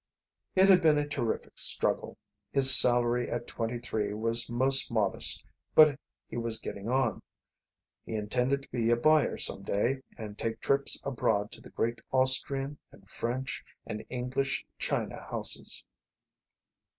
It had been a terrific struggle. His salary at twenty three was most modest, but he was getting on. He intended to be a buyer, some day, and take trips abroad to the great Austrian and French and English china houses.